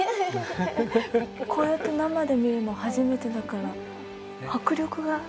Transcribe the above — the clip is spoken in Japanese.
こうやって生で見るの初めてだから迫力が。